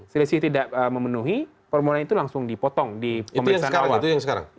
selisih tidak memenuhi permohonan itu langsung dipotong di pemeriksaan awal